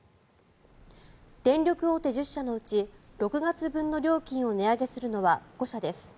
電力大手１０社のうち６月分の料金を値上げするのは５社です。